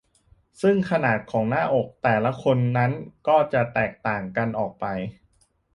ซึ่งขนาดของหน้าอกแต่ละคนนั้นก็จะแตกต่างกันออกไป